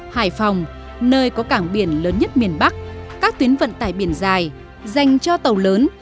hải phòng nơi có cảng biển lớn nhất miền bắc các tuyến vận tải biển dài dành cho tàu lớn